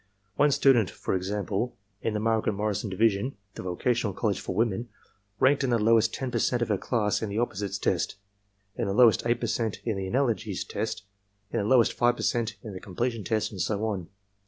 One student, for example, in the Margaret Morrison Division, the vocational college for women, ranked in the lowest 10% of her class in the opposites test, in the lowest 8% in the analogies test, in the lowest 5% in the completion test, and so on.